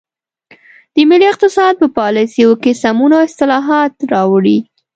د ملي اقتصاد په پالیسیو کې سمون او اصلاحات راوړي.